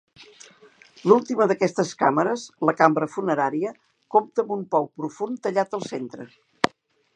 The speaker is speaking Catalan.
L'última d'aquestes càmeres, la cambra funerària, compta amb un pou profund tallat al centre.